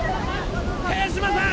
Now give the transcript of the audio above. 萱島さん！